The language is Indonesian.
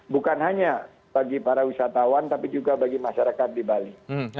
bukan hanya bagi para wisatawan tapi juga bagi masyarakat di bali